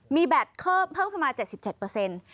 มีแบตเพิ่มประมาณ๗๗